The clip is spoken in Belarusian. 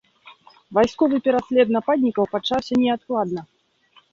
Вайсковы пераслед нападнікаў пачаўся неадкладна.